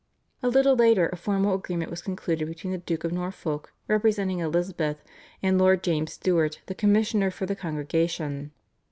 A little later a formal agreement was concluded between the Duke of Norfolk representing Elizabeth, and Lord James Stuart the commissioner for the Congregation.